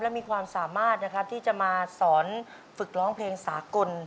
และมีความสามารถนะครับที่จะมาสอนฝึกร้องเพลงสากล